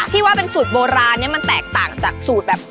ที่ว่าเป็นสูตรโบราณเนี่ยมันแตกต่างจากสูตรแบบ